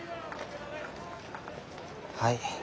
はい。